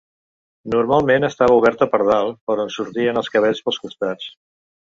Normalment estava oberta per dalt, per on sortien els cabells pels costats.